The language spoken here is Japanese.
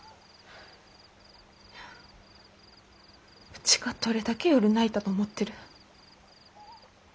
うちがどれだけ夜泣いたと思ってる？